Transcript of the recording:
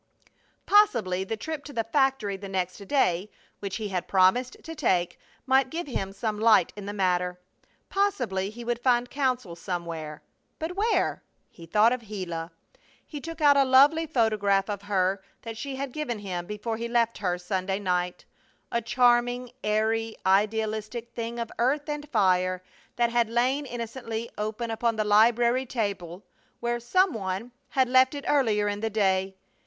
Possibly the trip to the factory the next day, which he had promised to take, might give him some light in the matter. Possibly he would find counsel somewhere. But where? He thought of Gila. He took out a lovely photograph of her that she had given him before he left her Sunday night a charming, airy, idealistic thing of earth and fire that had lain innocently open upon the library table where some one (?) had left it earlier in the day.